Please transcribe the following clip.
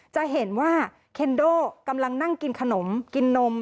จะเห็นว่าเคนโดกำลังนั่งกินขนมกินนม